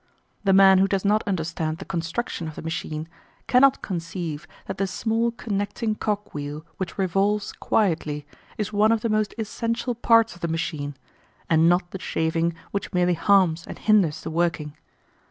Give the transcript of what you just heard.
The man who does not understand the construction of the machine cannot conceive that the small connecting cogwheel which revolves quietly is one of the most essential parts of the machine, and not the shaving which merely harms and hinders the working.